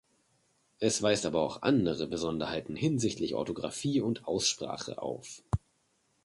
Es weist aber auch andere Besonderheiten hinsichtlich Orthografie und Aussprache auf.